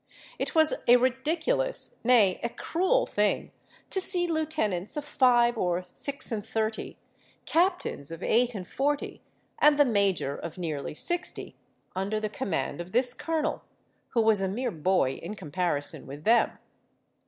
It was a ridiculous—nay, a cruel thing to see lieutenants of five or six and thirty, captains of eight and forty, and the major of nearly sixty, under the command of this colonel, who was a mere boy in comparison with them.